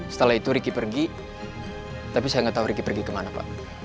setelah itu riki pergi tapi saya enggak tahu riki pergi kemana pak